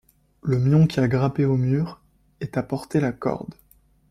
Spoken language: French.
Le mion qui a grimpé au mur et t’a porté la corde.